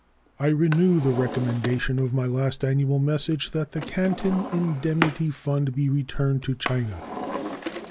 I renew the recommendation of my last annual message, that the Canton indemnity fund be returned to China.